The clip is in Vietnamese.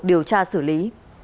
điều tra xử lý